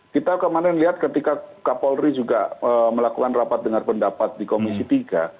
kita kemarin lihat ketika kapolri juga melakukan rapat dengan pendapat di komisi tiga